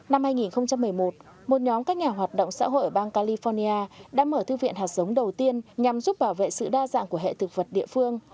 năm hai nghìn một mươi một một nhóm các nhà hoạt động xã hội ở bang california đã mở thư viện hạt giống đầu tiên nhằm giúp bảo vệ sự đa dạng của hệ thực vật địa phương